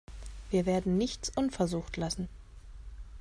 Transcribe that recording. Wir werden nichts unversucht lassen.